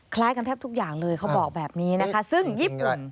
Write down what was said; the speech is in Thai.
คล้ายกันแทบทุกอย่างเลยเขาบอกแบบนี้นะคะ